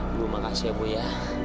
ibu makasih ibu ya